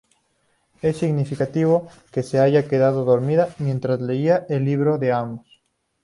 Es significativo que se haya quedado dormida mientras leía el libro de Amós.